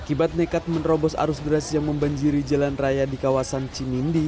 akibat nekat menerobos arus deras yang membanjiri jalan raya di kawasan cimindi